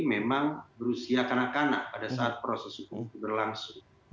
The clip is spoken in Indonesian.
memang berusia kanak kanak pada saat proses hukum itu berlangsung